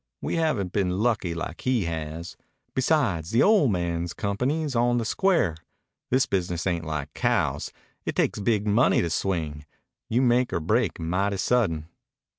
We haven't been lucky, like he has. Besides, the ol' man's company's on the square. This business ain't like cows. It takes big money to swing. You make or break mighty sudden."